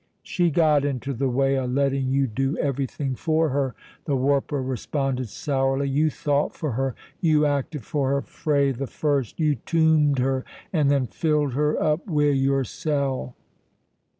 "She got into the way o' letting you do everything for her," the warper responded sourly. "You thought for her, you acted for her, frae the first; you toomed her, and then filled her up wi' yoursel'."